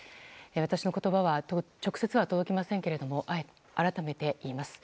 私の言葉は直接は届きませんけれども改めて言います。